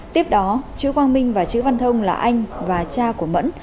tiếp đó chữ quang minh và chữ văn thông là anh và cha của mẫn